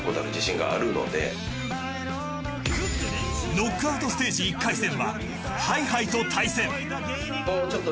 ノックアウトステージ１回戦はＨｉ‐Ｈｉと対戦。